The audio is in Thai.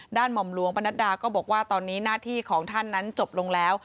หม่อมหลวงปนัดดาก็บอกว่าตอนนี้หน้าที่ของท่านนั้นจบลงแล้ว